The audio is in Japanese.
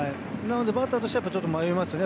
バッターとしては迷いますね。